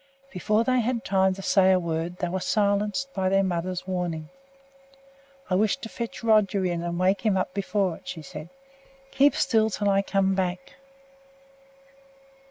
Before they had time to say a word, they were silenced by their mother's warning. "I wish to fetch Roger in and wake him up before it," she said. "Keep still until I come back!"